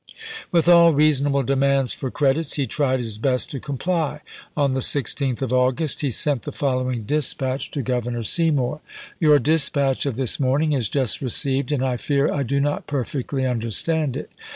With all reasonable demands for credits, he tried his best to comply. On the 16th of August he sent the following dispatch to Governor Seymour : Your dispatch of this morning is just received, and I fear I do not perfectly understand it.